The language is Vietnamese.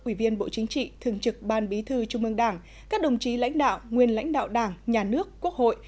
ủy viên bộ chính trị thường trực ban bí thư trung ương đảng các đồng chí lãnh đạo nguyên lãnh đạo đảng nhà nước quốc hội